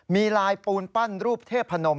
มีลายปูนปั้นรูปเทพนม